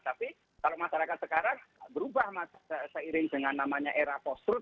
tapi kalau masyarakat sekarang berubah seiring dengan namanya era costrut